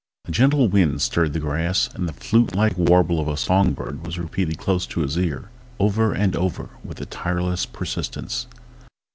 A gentle wind stirred the grass, and the flute like warble of a song bird was repeated close to his ear, over and over with a tireless persistence.